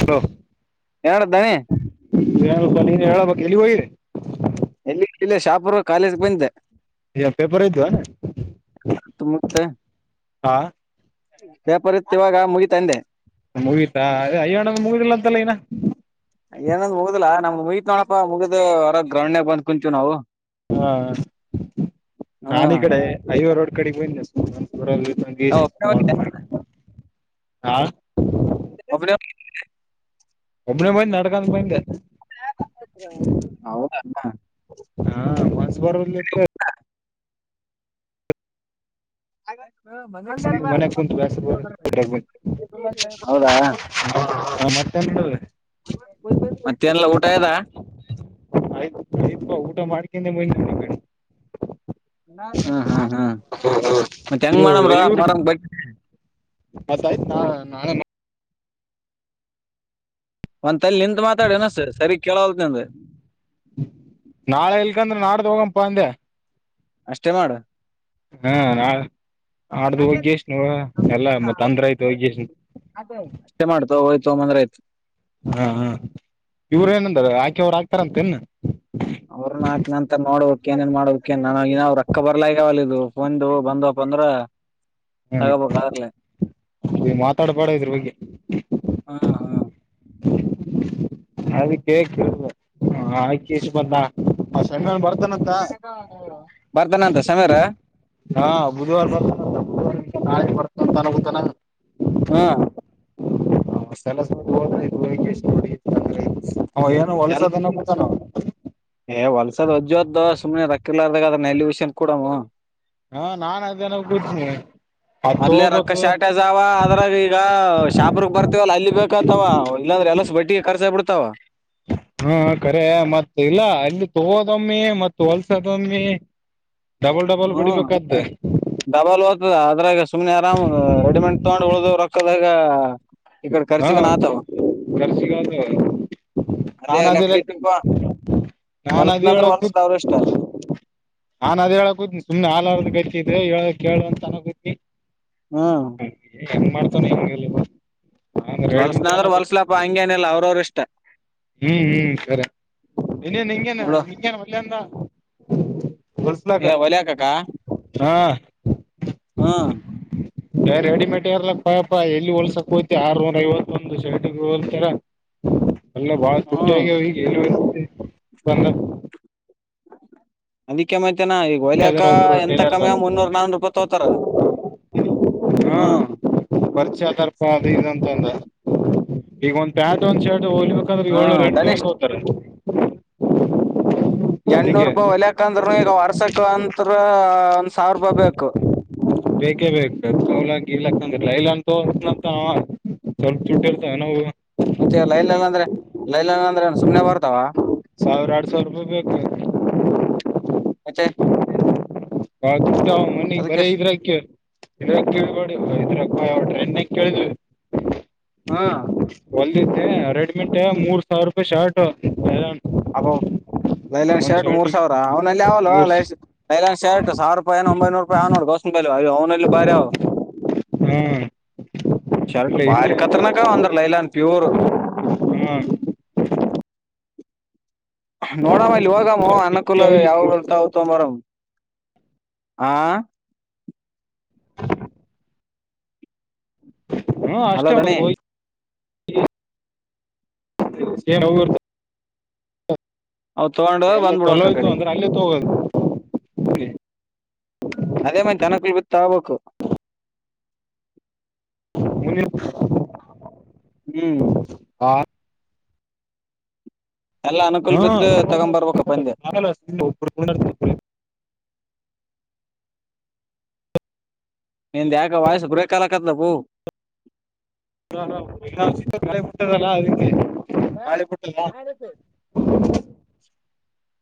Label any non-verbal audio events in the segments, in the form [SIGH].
Hello ಏಳ ದಣಿ. ಏನಿಲ್ಲ ಪಾ ನೀನೆನ್ ಹೇಳಬೇಕ ಎಲ್ಲಿಗ ಹೋಗಿ. ಎಲ್ಲಿ ಇಲ್ಲೆ ಶಹಾಪುರಗ್. ಕಾಲೇಜಗೆ ಬಂದಿದೆ ಏನ್ ಪೇಪರ್ ಇದ್ವಾ ಮತ್ತೆ. ಹಾ. ಪೇಪರ್ ಇತ್ತ ಇವಾಗ ಮುಗಿತಂದೆ. ಮುಗೀತಾ ಅ ಅಯ್ಯಣ್ಣ ಮುಗುದಿಲ್ಲ ಅಂತಲ್ಲ ಇನಾ. ಏನಂದ್ ಮುಗದಿಲ್ಲಾ ನಮ್ದ ಮುಗಿತ್ ನೋಡಪ್ಪ ಮುಗ್ದ್ ಹೊರಗ ಗ್ರೌಂಡ್ ನ್ಯಾಗ ಬಂದ್ ಕುಂತಿವ ನಾವು. ಹಾ ಹ್ಮ್ ನಾನಿಕಡೆ ಐವರ್. ಕಡೆ ಬ [INAUDIBLE] ಆ ಒಬ್ನೇ ಹೋಗಿದ್ದೇನ್. ಹಾ. ಒಬ್ಬನೇ [INAUDIBLE] ಒಬ್ಬನೇ ಬಂದೆ ನಡಕೊಂತ ಬಂದೆ. ಹೌದ ಅಣ್ಣ. ಹ ಮಸ್ತ್. ಬರಕ್ಕೆ [INAUDIBLE] [INAUDIBLE] ಮನ್ಯ ಕುಂತ ಹೌದಾ ಮತ್ತ [INAUDIBLE] ಮತ್ತೇನಿಲ್ಲ ಊಟ ಆಯದ ಆಯ್ತು ಊಟ ಮಾಡ [INAUDIBLE] ಹ್ಮ ಹ್ಮ ಹ್ಮ ಮತ್ತೆಂಗ್ ಮಾಡಮ ಕಡೆ ಇವ್ರು ಬ್ರೋ [INAUDIBLE] [INAUDIBLE] ಒಂದ್. ಲ್ಲಿ ನಿಂತ ಮಾತಾಡನ ಸರಿ ಕೆಳವಲ್ತನಿಂದ. ನಾಳೆ ಇಲ್ಕಂದ್ರ ನಾಡ್ದ ಹೋಗಂಪ ಅಷ್ಟೇ ಮಾಡ. ಹ ನಾ ನಾಡ್ದ ಹೋಗ್ಯಷ್ಟ ನ ಎಲ್ಲ ಮ ಅಂದ್ರ ಆಯ್ತ ಒೋಗ್ಯಷ್ಟ. ತೋಮಂದ್ರ ಆಯ್ತ್. ಹ ಹ ಇವರ ಏನಂದಾರ ಆಕೆವರು ಆಕ್ತಾರಂತ ಏನ್. ಅವ್ರ ನಾಕ್ ನಂತರ ನೋಡ್ಬೇಕ್ ಏನೇನ್ ಒಂದು ಬಂದಪ್ಪ ಅಂದ್ರ. ಹ್ಮ ತಗೋಬೇಕ್ ಅದ್ರಲ್ಲೇ ನೀ ಮಾತಾಡ್ಬಾಡ ಇದ್ರ ಬಗ್ಗೆ. ಹ್ಮ್ ಹ್ಮ್ ಅದಕೆ ಕೇಳುದ. ಹಾ ಆಯ್ ಬಾಣ ಬರ್ ಬರ್ತಾನ ಅಂತ ಸಮೀರ ಹಾ ಬುಧವಾರ ಬರ್ ನಾಳೆ ಬರ್ತಂತೋಗತಾನ ಹ್ಮ ಕೆಲಸ ಹೋದಿಕ ನೋ ಎ ಕೂತಾನ ಏ ವಲ್ಸದ್ ಅಜ್ಜೇಯೋದೋ ಸುಮ್ನೆ ರ ಕಲಾರದಾಗ ಅದ್ರೆಲ್ಲಿ ವಿಷನ್ ಕೂಡ ಹಾ ನಾನ್ ಅದನ ಕೂತನನೆ ಮೊ್ಲೆ ರೊಕ್ಕ ಶಾರ್ಟೇಜ್ ಅವ ಅದ್ರಾಗ ಈಗ ಶಾಪ್ರಗ್ ಬರ್ತವಲ್ಲ ಅಲ್ಲಿ ಬೇಕತವ ಇಲ್ಲಂದ್ರೆ ಎಲ್ಲ ಬಟ್ಟಿಗೆ ಕರ್ಸ ಬಿಡ್ತಾವ ಹಾ ಕಖರೆ ಮತ್ ಇಲ್ಲ ಇಲ್ಲಿ ತಗೋದೊಮ್ಮಿ ಮತ್ತ್ ಹೊಲ್ಸೋದೊಮ್ಮಿ ಹ್ಮ ಡಬಲ್ ಓ್ತದ ಅದ್ರಾಗ ಸುಮ್ನೆ ಆರಾಮ್ ರೆಡಿಮೆಂಡ್ ತಗೊಂಡ್ ಉಳ್ದ ರೊಕ್ಕದಾಗ ಆ ಹಾ ಕರ್ಸಿಗದು ನಾ ಅದೇ ನದಿ ಲೆಕ್ಕ ಇಟ್ಟಪ ನಾ ಹೊಲಸನ ನಾಗಿ ಅಂದ್ರ ಹೇಳೂ ಹೊಲ್ಸದ ಅವ್ರ ಇಷ್ಟ ನದ್ ಹೇಳಕೂುದಿ ಸು್ನೆ ಹಾಾರದ ಗತ್ತಿದ್ರೆ ಹೇಳ ಕೇಳುವಂತ ಅನತಿ ಹ್ಮ ಹೆಂಗ್ ಮಾಡ್ತಾನ ಹೆಂಗಲ್ಲಿ ಹೊಲ್ಸನ ಅಂದ್ರರು ಹೊಲ್ಸಲಪಾ ಹಂಗೇನಿಲ್ಲಲ್ಲ ಅವ್ರ ಅವ್ರ ಇಷ್ಟ ಹ್ಮ್ ಹ್ಮ್ ಸರಿ ಇನ್ನೇನ್ ಹಿಂಗೇನ್ ನೋಡು ಹಿಂಗೇನ್ ಮಲ್ಯಂದ ಹೊಲ್ಸ್ಲಕ್ಕ ಏ ಹೊಲ್ಯಾಕಕ್ಕ ಹಾ ಹ್ಮ್ ರೆಡಿಮೇಡ್ ಇರ್ಲ ಪಪಾ ಎಲ್ಲಿ ಹೊಲ್ಸಕ್ ಹೋತಿ ಆರ್ನೂರ ಐವತ್ತೊಂದಂದು ಶರ್ಟಿಗೆ ಹೊಲ್ತಾರ ಎಲ್ಲ ಬಾಳ ಹ್ಮ್ ತುಟ್ಟಗ ಈ ಎ ಬ ಅದಕ್ಕೆ ಮಾಡ ನಾ ಈಗ ಹೊಲಿಯಕ ಒಬ್ರು ಎಂತ ಟೈಲರ್ ಕಮ್ಮಿ ಮುನ್ನೂರ ನಾನೂರು ರೂಪಾಯಿ ತಗೋತಾರ ಹ್ಮ ಯಾತರ್ಪ ಈಗಂತ ಅಂದ ಈಗ ಒಂದು ಪ್ಯಾಂಟ್ ಒಂದ ಶರ್ಟ್ ಹೊಳಿಬೇಕಂದ್ರೆ ಹ್ಮ್ ಏಳನೂರು ಎಂತನೂರ್ ಧನಿಷ್ ತಗೋತಾರೆ ಎಂನೂರು ಅದಕ್ಕೆ ರೂಪಾಯಿ ಹೊಲಯಾಕ ಅಂದ್ರು ಈಗ ವರ್ಷಕ ಅಂತರ ಒಂದ್ ಸಾವಿರ ರೂಪಾಯಿ್ ಬೇಕು ಬೇಕೇ ಬೇಕಕ್ ತೌಲಾಕ ಇಲಕ್ಕಂದಲ ಇಲ್ಲ ಅಂತಂತ ಸ್ವಲ್ಪ ಚುಟ್ಟಿ ಇರ್ತಾವ ನಾವು ಮತ್ತೆ ಲೈಲನ್ ಅಂದ್ರೆ ಲೈಲನ್ ಅಂದ್ರೆ ಸುಮ್ನೆ ಬರ್ತಾವ ಸಾವಿರ ಆಡ್ ಸಾವಿರ ರೂಪಾಯಿ ಮತ್ತೆ ಬೇಕುಷ್ಟ ಮೊನೆಗ್ ಅದಕ್ಕೆ ಬರೀ ಇದ್ರ ಇದ್ರ ಕೇಳಬ ಇದ್ರ ನೀನೆ ಕೇಳಿದ್ವಿ ಹಾ ರೆಡಿಮೆಂಟ್ ಮೂರ್ ಸಾವಿರ ರೂಪಾಯಿ ಶರ್ಟ್ ಅಬ್ ಲೈಲನ್ ಒಂದ್ ಶರ್ಟ್ ಮೂರ್ ಶರ್ಟಿಗೆ ಸಾವಿರ ಅವ್ನಲ್ಲಿ ಅವಲ್ಲ ಮೂರ್ ಲೈಲಾನ್ ಶರ್ಟ್ ಸಾವಿರ ರೂಪಾಯಿ ಏೋ ಒಂಬೈೂರು ರಪಾಯಿ ನೋ ಗೋಸ್ ಬ ಅ ಅವನಲ್ಲ ಬ ಹಾ ಶರ್ಟ್ ಇಲ್ಲ ಬಾರಿ ಇಲ್ಲಿ ಕತರನಾಕ ಅಂದ್ರ ಲೈಲ್ಲನ್ ಪ್ಯೂರ್ ಹಾ ನೋಡಮ್ಮ ಇಲ್ಲಿ ಹೋಗಮ್ಮ ಅನ್ನಕೂಲ ಯಾವ ಬರ್ತಾವತ ಮರ ಹಾ [UNINTELLIGIBLE] ಹ್ಮ ಹಲೋ ಅಷ್ಟೇ ಅವಳ ಧಣಿ ಗಯ [INAUDIBLE] ಅವ್ ತಗೊಂಡ ಎಲ್ಲ ಚಲೋ ಬಂದ್ಬಿಡ್ಕ್ಕ ಇತ್ತು ಕಡೆಗೆ ಅಂದ್ರೆ ಅಲ್ಲೇ ತಗೋದು ಮುಂದಿನ ಅದೇ ಮೈ ತನಕಲ್ ಬಿತ್ತ ಆಗಬೇಕು [INAUDIBLE] ಹ್ಮ್ ಹಾ ಎಲ್ಲ ಅನುಕೂಲ ಬಿದ್ದು ತಗೊಬರ್ಬೇಕ ಪಂದ್ಯ ನಿಂದ್ ಯಾಕ ವಾಯ್ಸ್ಸ ಬ್ರೇಕ್ ಅಲಕತ್ಲ ಪೂ ಹ ಗಳೆ ಬಿತದಲ್ಲ ಅದಕ್ಕೆ [INAUDIBLE] ಹಾ ಗಾಳಿ ಬಿಟ್ಟದ ಆಯನಸ [INAUDIBLE]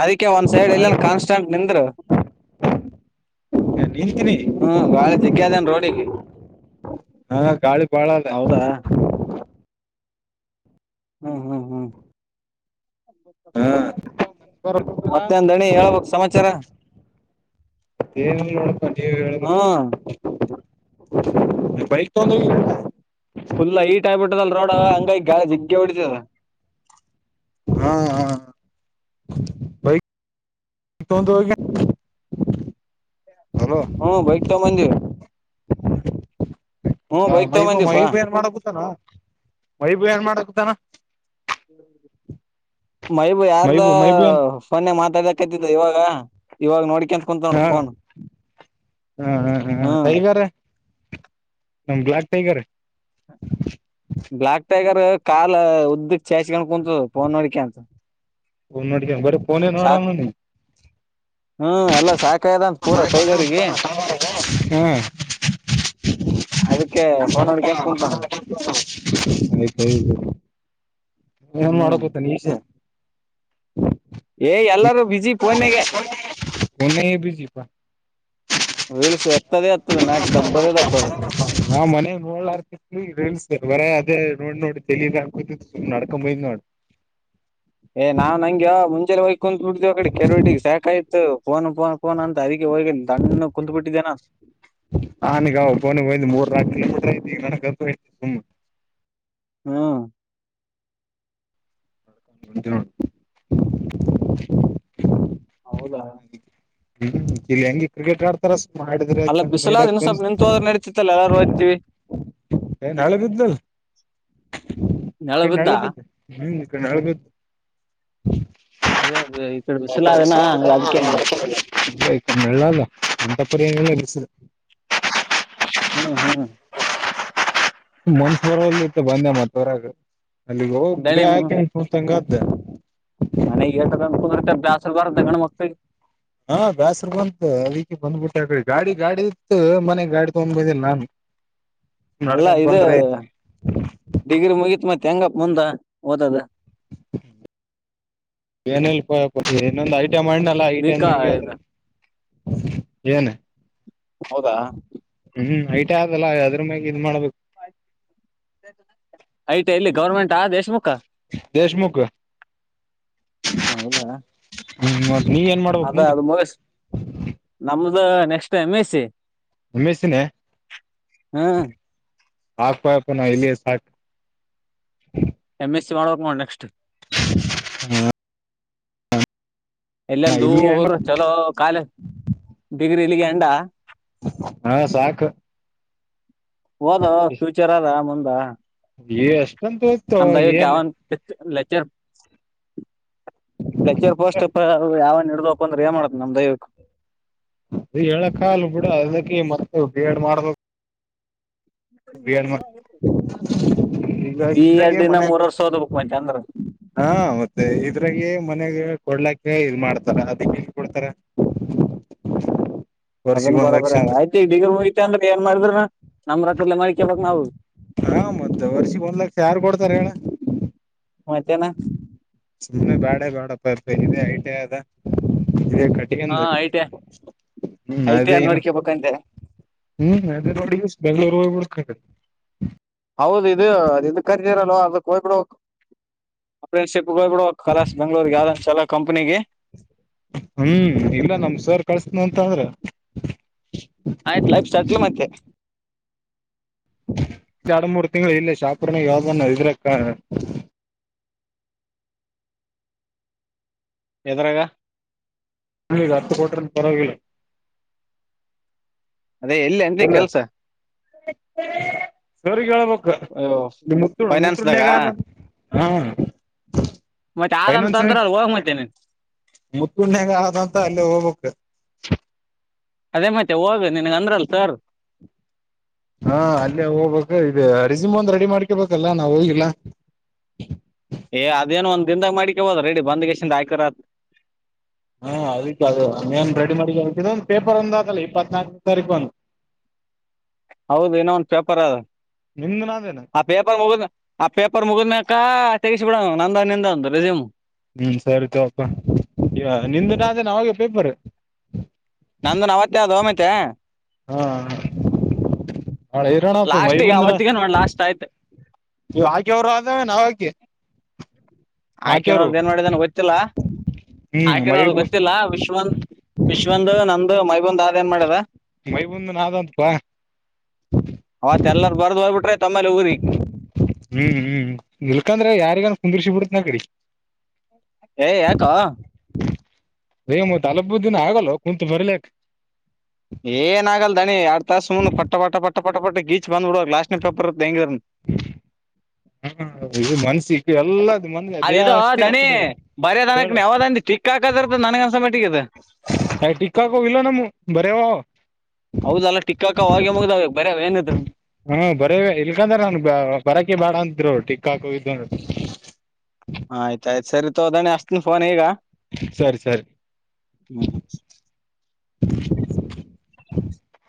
ಅದಕ್ಕೆ ಒಂದ್ ಸೈಡ್ ಗಾಳಿ ಎಲ್ಲನ್ ಬಿಟ್ಟ ಕಾನ್ಟಂಟ್ ನಿಂದ್ರು ನಿಂತೀನಿ ಹ್ಮ ಗಾಳಿ ಜಿಗ್ಗದೇನ್ ರೋಡಿಗೆ ಹಾ ಗಾಳಿ ಬಾಳ ಅದ ಹೌದಾ ಹ್ಮ್ ಹ್ಮ್ ಹ್ಮ್ ಹಾ ಮತ್ತೆಂದಂದಣಿ ಹೇಳ್ಬೇಕಕ್ ಸಮಾಚಾರ ಏನಿಲ್ಲ ನೋಡಪ್ಪ ನೀವ ಹೇಳ್ಬೇಕು ಹ್ಮ [UNINTELLIGIBLE] ಬೈಕ್ [INAUDIBLE] ಫುಲ್ ಹೈಟ್ ಆಗಿಬಿಟ್ಟದಲ್ ರೋಡ್ ಹಂಗ ಈ ಗಾಳ ಜಿಗ್ಗೆ ಹೊಡತದ ಹಾ ಹಾ [INAUDIBLE] ಹ್ಮ್ ಬೈತ ಮಂದಿರ ಹ ಬೈಕ್ ಮೈಬ ತಗೊಂಬಂದಿವಿಪಾ ಮೈಬ ಏನ್ ಮಾಡ ಗತ್ತಾನ ಮೈಬೂ ಏನ್ ಮಾಡಕತಾನ ಹ್ಮ್ [INAUDIBLE] ಮೈಬೂ ಯಾರ್ದ ಮೈಬೂ ಏನ್ ಫನ್ನೆ ಮಾತಾಡಕತಿದ್ದ ಇವಾಗ ಇವಾಗ ನೋಡಿ ಹಾ ಹ [INAUDIBLE] ಹ್ಮ್ ಟೈಗರ್ ಬ್ಲ್ಲಾಕ್ ಟೈಗರ್ ಕಾಲ ಉದ್ದ ಚೇಚ್ಕೊಂಡು ಕುೂಂತ ಪೋನ್ ನೋಡಕೆಂತ ಹ ನೋಡ್ ಬರ ಫೋನೇ ನೋಡ್ [INAUDIBLE] ಹ್ಮ್ ಎಲ್ಲ ಸಾಕಾಯದಂತ ಪೂರ ಟೈಗರ್ಗ ಹಾ ಅದಕ್ಕೆ ಫೋನ್ ನೋಡ್ಕನ್ ಕುಂತಾನ ಆಯ್ತಾಯ್ತು ಏನ್ ಹ್ಮ್ ಮಾಡೊತ್ [UNINTELLIGIBLE] ಏ ಎಲ್ಲಾರೂ ಬಿಜಿ ಫೋನ್ಯಾಗೆ ಮ ಬಿಸಿಪಾ ರೀಲ್ಸ್ ಎತ್ತದೇ ಎತ್ತದ ಮ್ಯಾಟ್ ದಬ್ಬದೇ ದಬ್ಬದ [UNINTELLIGIBLE] ನಾ ಮನೆ ನೋಡ್ತ ಬರ [UNINTELLIGIBLE] ನೋಡಿ ನೋಡಿ ತೆಲಿ ಮ್ಯಾಲ್ [UNINTELLIGIBLE] ಕಂಬೈನಾೋಡ್ ಏ ನಾನ್ ನಂಗೆ ಮುಂಜೆಾನ ಹೋಗಿ ಕುಕು ಬಿಡ್ದ್ ಕಡೆ ಕೆರೆವಟಿಗೆ ಸಾಕಾಯ್ತು ಕನು ಪ [UNINTELLIGIBLE] ಫೋನ್ ನ ಅಂತ ಅದಕ್ಕೆ ಹೊಗ ತಣ್ಣು ಕುತ್ ಬಿಿಟ್ಟಿದ್ದೇ ನಾನು ನನ ಗ ತುಂಬ [UNINTELLIGIBLE] [UNINTELLIGIBLE] ಹ್ಮ್ [INAUDIBLE] ಹೌದಾ ಇಲ್ಲಿ ಹೆಂಗಿ ಕ್ರಿಕೆಟ್ ಆಡ್ತಾರ ಸುಮ್ ಆಡಿದ್ರ ಅಲ್ಲ ಆಯ್ತ ಬಿಸಲಾ ಅದ್ ನೋಡಕ್ ಇನ್ನೂ ಸ್ವಲ್ಪ ಬಂದ್ ನಿಂತೊದ್ರೆ ನಡತಿತ್ತಲ್ಲ ಆದ್ರೂ ಹೋಯ್ತಿ ಏ ನಾಳೆ ಬಿದ್ದಲ್ ನಾಳೆ ಬಿದ್ದ ಹ್ಮ್ಮ್ ನಳಗತ್ತು ಅದೇ ಈ ಕಡೆ ಬಿಸಿಲ ಅದನ ಅದಕ್ಕೆ ಹಂಗೆ [UNINTELLIGIBLE] ಲ್ಲಲ್ಲ [UNINTELLIGIBLE] ತಪ್ಪ [UNINTELLIGIBLE] ಹ್ಮ್ ಹ್ಮ್ ಮನ್ಷ ಬರಲ್ ಇತ್ತು ಬಂದೆ ಮತ್ ಹೊರಾಗ ಅಲ್ಲಿಗೆ ಹೋಗ ಗುದ ಬೆಳಿ ಆಯತತಂಗ ಹ [UNINTELLIGIBLE] ಮನೆಗ್ ಗೆಟದಾನ ಕುದ್ರತ ಬ್ಯಾಸಲ್ವಾರ್ ದಗಣ ಮಕ್ಕಳಿ ಹಾ ಬ್ಯಾಸರ್ ಬಂತ ಅದಕ್ಕೆ ಬಂದ್ಬಿಟ್ಟಕಿ ಗಾಡಿ ಗಾಡಿ ಇತ್ತು ಮನೆ ಗಾಡಿ ತಗೊಂಡ್ ಬಂದಿಲ್ಲ ನಾನು ಅಲ್ಲ ನಡ್ಕೊಂಡ್ ಇದ್ ಬಂದ್ರ ಐತಿ ಡಿಗ್ರಿ ಮುಗತ್ ಮತ್ತೆ ತೆಂಗಪ್ಪ ಮುಂದ ಓದದು ಕೆನ ಪಏನಂದ ಆಐ [UNINTELLIGIBLE] ಈಟ ಮಾಡನಲ್ಲಾ ಈ ಟೈಮ್ ಬಿಕಾ ನಾಗೆ ಇದು ಏನ ಹೌದಾ ಹ್ಮ್ ಐಟ ಆದ ಯತ ಇಲ್ಲಿ ಗೌರ್ಮೆಂಟ್ ಆ ದೇಶಮುಖ ದೇಶ್ಮುಖ್ ಹೌದಾ ಹ್ಮ ನೀವ ಏನ್ ಮಾಡ್ಬೇಕಕ್ ಅದ ಮುಂದ ಅದು ಮುಗಿಸ್ ನಮ್ದು next time M S C M S C ಹ್ಮ್ ಹಕ್ಪಪ್ಪ ನ ಇಲ್ಲಿ ಸಾಕ್ ಎಮ್ ಎಸ್ ಸಿ ಮಾಡೋ ನೋ ನೆಕ್ಸ್ಟ್ ಹ್ಮ ಎಲ್ಲಂದ ಇಲ್ಲಿ ದೂರ್ ಚಲೋ ಕಾಲೇಜ ಡಿಗ್ರಿ ಇಲ್ಲಿಗೆ [INAUDIBLE] ಹಾ ಸಾಕು ಓದೋ ಫ್ಯೂಚರ್ ಅದ ಮಂದ ಬಾ ನೀ ಎಷ್ಟಂತ ಹೋಯ್ತು ಏನ್ ಕ [INAUDIBLE] ಲೆಕ್ಚರ್ ಪೋಸ್ಟ್ ಯಾವ ನಡ್ದಪ್ಪ ಅಂದ್ರೆ ಏ ಮಾಡತ್ ನಮ್ ದಯವಕ್ ಅದು ಹೇಳಕ್ಕಲ್ ಬಿಡ ಅದಕ್ಕೆ ಮತ್ತ ಬಿ ಏ ಡ್ ಮಾಡಬೇಕ ಬಿ ಈಗ ಬಿ ಇದ್ರಾಗ ಎಡ್ ಇನ್ನ ಮೂರ್ ಮನೆಗೆ ವರ್ಷ ಓದ್ಬೇಕ್ ಮತ್ತೆ ಅಂದ್ರ ಹಾ ಮತ್ತೆ ಇದ್ರಾಗ ಮನೆಗೆ ಕೊಡ್ಲಾಕ್ ಹ ಇ ಮಾಡ್ತಾರ ಅದ ಕೊಡ್ತಾರ ವರ್ಷಿಗ್ ಅದನ್ನು ಒಂದ್ ಲಕ್ಷ ಬರರ ಅಂದ್ರ ಆ ಇ ಮಿದ್ರ ನಮ್ಮ್ ರಾತ್ರಿಲ್ಲ ಮರಿಕಬಕ್ ನಾವು ಹಾ ಮತ್ತೆ ವರ್ಷಿಗೆ ಒಂದ್ ಲಕ್ಷ ಸಾರು ಕೊಡ್ತಾರೆ ಹೇಳ ಮತ್ತೇನ ಬೇಡ ಬೇಡ ಸುಮ್ನೆ ಇದೆ ಐ ಅದ ಕಟ ಹಾ ಐ ಟಿ ಹ್ಮ ಐ ಟಿ ಅದೇ ಆರ್ ನೋಡ್ಕೋಬೇಕಂತೆ ಹ್ಮ ಅದೇ ನೋಡಿ ಬೆಂಗಳೂರ್ ಹೋಗಬಡ್ ಹ [UNINTELLIGIBLE] ಹೌದು ಇದು ಅದು ಇದ ಕರ್ದಿರಲ್ವ ಅದ ಹೋಗ್ಬಿಡಕ್ ಅಪ್ರೆಂಶಿಪ್ ಹೋಗ್ಬಿಡಕ್ ಕಲ ಬೆಂಗ್ಗಳೂರ್ಗೆ ಯಾವ್ದಲ ಕಂಪ್ನಿಗೆ ಹ್ಮ್ ಇಲ್ಲ ನಮ ಸರ್ ಕಳ್ಸನ ಅಂತ ಅಂದ್ರ ಹಾ ಲೈಫ್ ಸೆಟ್ಲ್ ಮತ್ತೆ ಎರಡು ಮೂರು ತಿಂಗಳು ಇಲ್ಲ ಶಾಪರ್ನ ಯಾವ್ದ ನ ಇದ್ರಕ್ಕ ಎದರಾಗ ಅರ್ತ್ತುಕಟನ್ ಪರವಿಲ್ಲ ಅದೇ ಎಲ್ಲಿ ಅಂದಿ ಇಲ್ಲ ಕೆಲಸ ಸರಿಗ್ ಹೇಳ್ಬೇಕೂ ಫೈನಾನ್ಸ್ದಾಗ ಮುತ್ಯಾಗ ಆ ಹಾ ಮತ್ತೆ ನನ್ಸ ಆದಂತಂದ್ರ ಅಲ್ಲಿ ಹೋಗ್ ಮತ್ತೆ ನೀನ್ ಮುತ್ತುಣಾಗ ಆದಂತ ಅಲ್ಲಿೇ ಹೋಗ್ಕ್ ಅದೇ ಮತ್ತೆ ಹೋಗ ನಿನ್ಗ ಅಂದ್ರಲ್ ಸರ್. ಹಾ ಅಲ್ಲೇ ಹೋಗ್ಬೇಕ ಇ ಅ ರಿಜಿಮ ಒಂದ್ ರೆಡಿ ಮಾಡ್ಕೊಬೇಕಲ್ಲ ನಾವ್ ಹೋಗಿಲ್ಲ. ಏ ಅದೇನ್ ಒಂದ್ ದಿನದಾಗ ಮಾಡಿಕಬದ ರೆಡಿ ಬಂದ ಕೆಶಿಂದ್ ಆಯಕರತ್. ಹ ಅದಕ್ಕೆ ಅದ ನೀನ್ ರೆಡಿ ಮಾಡಿ ಇದು ಒಂದ ಪೇಪರ್ ಒಂದ ಆತಲ್ಲ ಇಪ್ಪತ್ನಾಲ್ಕನ ತಾರೀಕು ಒಂದ್. ಹೌದ ಇನ್ನ ಒಂದ್ ಪೇಪರ್ ಅದ. ನಿಂದನಾದೇನ ಆ ಪೇಪರ್ ಮುಗದ ಆ ಪೇಪರ್ ಮುಗದಮ್ಯಾಲ್. ತೆಗಿಸಿ ಬಿಡ ನ ನಂದ ನಿಂದ ಒಂದ್ ರೆಸುಮು. ಹ್ಮ್ ಸರಿ ತೋಪ್ಪ ಈ ನಿಂದ ನಾದೇ ನ ಯಾವಾಗ ಪೇಪರ್. [UNINTELLIGIBLE] ನಂದುನ್ ಅವವತ್ತೇ ಆದ ಹಮತ್ತೆ ಹಾ ನಾಳೆ ಇರೋಣಪ್ಪ ಲಾಸ್ಟಗೆ ಅವತ್ತಗ ನೋಡ್ ಲಾಸ್ಟ್ ಆಯ್ತು. ನೀವ್ ಆಯ್ಕ್ಯಾವರು ಅಂದ್ರೆ ನಾವು ಆಕಿ. ಅಕಿರೋದು ಏನ್ ಮಾಡಿದನ್ ಗೊತ್ತಿಲ್ಲ ಹ್ಮ್ ಮೈ ಆಕನೋರ್ದ ಗೊತ್ತಿಲ್ಲ ವಿಶ್ವ ವಿಶ್ವಂದು ನಂದು. ಅದು ಮೈಬಂದ ಆದ್ಏನ್ ಮಾಡದ. ಮೈಬಂದ ನಾ ದಂತಪ್ಪಾ. ಅವತ್ ಎಲ್ಲಾರ ಬರ್ದ್ ಹೋಗ್ಬಿಟ್ರೆ ತಮ್ಮಲ್ಲಿ ಊರಿ ಹ್ಮ್ ಹ್ಮ್ ನಿಲ್ಕಂದ್ರೆ ಯಾರಿಗಾನ ಕುಂದರ್ಸಿ ಬಿಡ್. ನಗಡಿ. ಏ ಯಾಕೋ ಮತ್ ಅಲಬದಿನ ಆಗಲ್ಲೊ ಕುಂತ್ ಬರಿಲಾಕ್. ಏನ ಆಗಲ್ ದಣಿ ಏನ್ ಯಾಡ್ ತಾಸ್ ಸುಮ್ನ ಪಟ್ಟ ಪಟ್ಟ ಪಟ್ಟ ಪಟ್ಟ ಪಟ್ಟ ಗೀಚ. ಮನ್ಸಿಗೆ ಎಲ್ಲ. ಅದಿದು ದಣಿ ಬರೆಯೋದನಕ್ ಯಾವ್ದಂದಿ ಟಿಕ್ ಹಾಕದಿರ್ತ ನನಗನ್ಸ ಮಟ್ಟಿಗೆ ಇದು ಹೇಳ್ ಟಿಕ್ ಆಕುವ್ ಇಲ್ಲ ನಮ್ಮು ಬರೆಯವ ಅವ. ಹೌದಲ್ಲ ಟಿಕ್ ಆವಾಗ್ಲೇ ಮುಗ್ದಾವೆ ಬರ್ ಏನಿದ್ರು. ಹ್ಮ ಬರೇ ಇದ್ರು ಟಿಕ್ ಹಾಕೋವಿದ್ದು ಅಂದ್ರ. ಆಯ್ತ ಆಯ್ತ್ ಸರಿ ತೋದಣೆ ಹಚ್ತಿನ ಫೋನ್ ಈಗ. ಸರಿ ಸರಿ [UNINTELLIGIBLE]